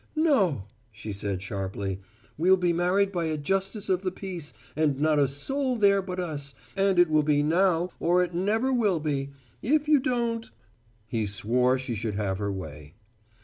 "No!" she said sharply. "We'll be married by a Justice of the Peace and not a soul there but us, and it will be now, or it never will be! If you don't " He swore she should have her way.